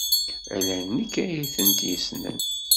Ala nekk ay tent-yessnen.